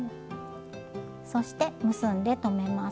そして結んで留めます。